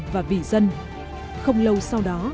và vì dân không lâu sau đó